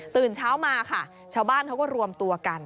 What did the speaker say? ตื่นเช้ามาค่ะชาวบ้านเขาก็รวมตัวกัน